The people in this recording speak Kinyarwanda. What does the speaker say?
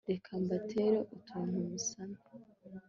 reka mbatere utuntu musame